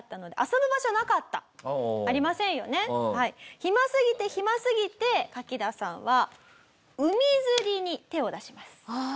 暇すぎて暇すぎてカキダさんは海釣りに手を出します。